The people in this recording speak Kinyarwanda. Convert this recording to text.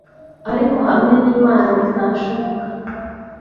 ariko hamwe n’Imana bizashoboka